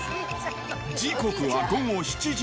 時刻は午後７時。